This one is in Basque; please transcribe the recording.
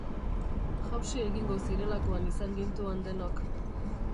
Jausi egingo zirelakoan izan gintuan denok.